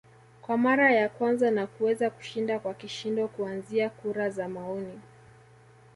kwa mara ya kwanza na kuweza kushinda kwa kishindo kuanzia kura za maoni